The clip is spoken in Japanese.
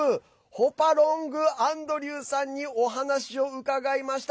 ホパロング・アンドリューさんにお話を伺いました。